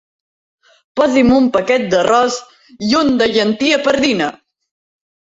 Posi'm un paquet d'arròs i un de llentia pardina.